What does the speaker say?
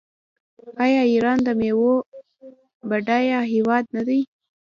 آیا ایران د میوو بډایه هیواد نه دی؟